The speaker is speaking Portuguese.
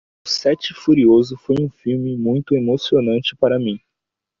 O sete furioso foi um filme muito emocionante para mim.